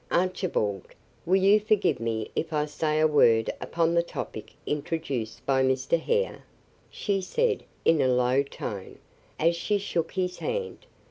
"Archibald, will you forgive me if I say a word upon the topic introduced by Mr. Hare?" she said, in a low tone, as she shook his hand.